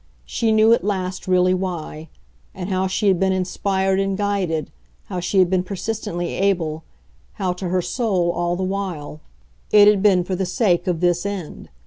She knew at last really why and how she had been inspired and guided, how she had been persistently able, how, to her soul, all the while, it had been for the sake of this end.